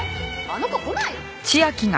あの子来ないの？